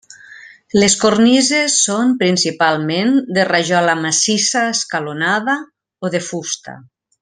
Les cornises són principalment de rajola massissa escalonada o de fusta.